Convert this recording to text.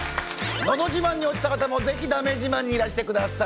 「のど自慢」に落ちた方も是非「だめ自慢」にいらしてください。